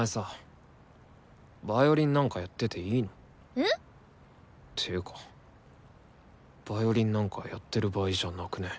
えっ？ていうかヴァイオリンなんかやってる場合じゃなくね？